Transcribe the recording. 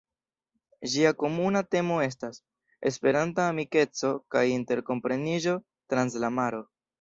Ĝia komuna temo estas "Esperanta amikeco kaj interkompreniĝo trans la maro".